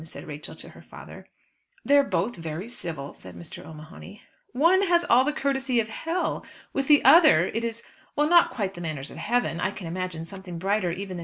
said Rachel to her father. "They're both very civil," said Mr. O'Mahony. "One has all the courtesy of hell! With the other it is well, not quite the manners of heaven. I can imagine something brighter even than M.